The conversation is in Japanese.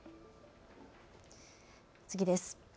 次です。